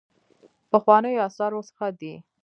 پخوانیو آثارو څخه دی.